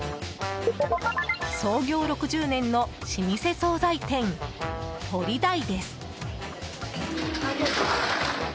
創業６０年の老舗総菜店鳥大です。